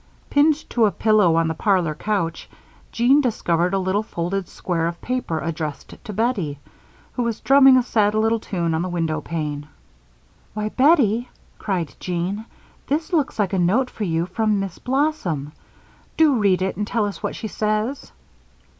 Pinned to a pillow on the parlor couch, Jean discovered a little folded square of paper addressed to Bettie, who was drumming a sad little tune on the window pane. "Why, Bettie," cried Jean, "this looks like a note for you from Miss Blossom! Do read it and tell us what she says."